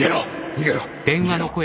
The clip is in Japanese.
逃げろ！